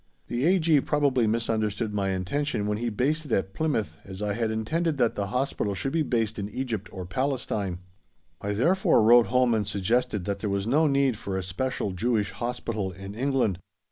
The A.G. probably misunderstood my intention when he based it at Plymouth, as I had intended that the Hospital should be based in Egypt or Palestine. I therefore wrote home and suggested that there was no need for a special Jewish Hospital in England.